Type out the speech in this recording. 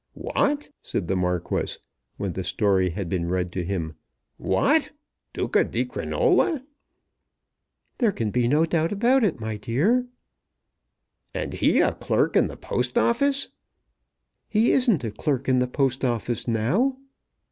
"What!" said the Marquis, when the story had been read to him. "What! Duca di Crinola." "There can't be a doubt about it, my dear." "And he a clerk in the Post Office?" "He isn't a clerk in the Post Office now."